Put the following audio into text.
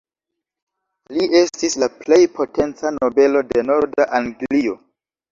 Li estis la plej potenca nobelo de norda Anglio.